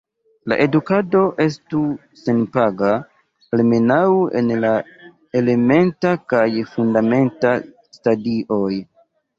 La edukado estu senpaga, almenaŭ en la elementa kaj fundamenta stadioj.